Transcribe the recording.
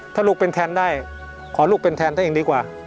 ถ้าลูกเป็นแทนได้ขอลูกเป็นแทนซะเองดีกว่า